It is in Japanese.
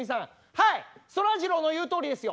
「はいそらジローの言うとおりですよ」。